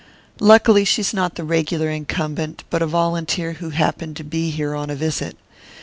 "Luckily she's not the regular incumbent, but a volunteer who happened to be here on a visit.